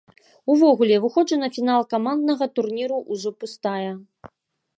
Увогуле, выходжу на фінал каманднага турніру ўжо пустая.